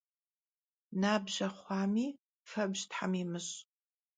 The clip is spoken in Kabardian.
Nabje xhuami, febj them yimış'!